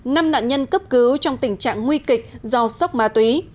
năm nạn nhân cấp cứu trong tình trạng nguy kịch do sốc ma túy